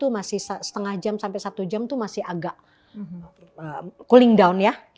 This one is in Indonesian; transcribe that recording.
masih setengah jam sampai satu jam itu masih agak cooling down ya